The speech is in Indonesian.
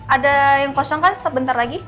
ada yang kosong kan sebentar lagi